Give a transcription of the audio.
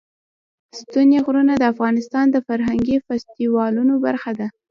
ستوني غرونه د افغانستان د فرهنګي فستیوالونو برخه ده.